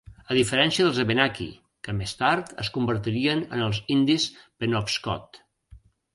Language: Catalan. A diferència dels Abenaki, que més tard es convertirien en els indis Penobscot.